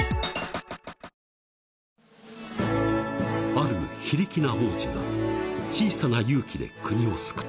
［ある非力な王子が小さな勇気で国を救った］